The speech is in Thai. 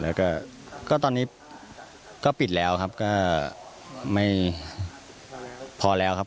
แล้วก็ตอนนี้ก็ปิดแล้วครับก็ไม่พอแล้วครับ